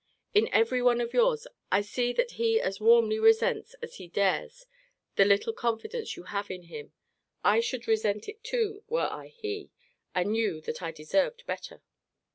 In every one of yours, I see that he as warmly resents as he dares the little confidence you have in him. I should resent it too, were I he; and knew that I deserved better.